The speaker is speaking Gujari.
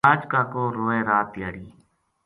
باج کاکو روئے رات دھیا ڑی